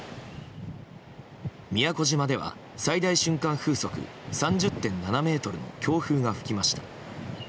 宮古島では最大瞬間風速３０．７メートルの強風が吹きました。